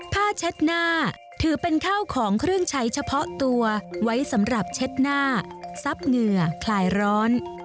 เช็ดหน้าถือเป็นข้าวของเครื่องใช้เฉพาะตัวไว้สำหรับเช็ดหน้าซับเหงื่อคลายร้อน